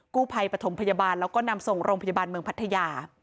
กู้ภัยปฐมพยาบาลแล้วก็นำส่งโรงพยาบาลเมืองพัทยา